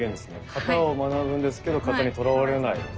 形を学ぶんですけど形にとらわれないと。